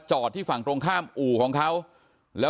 ก็ได้รู้สึกว่ามันกลายเป้าหมาย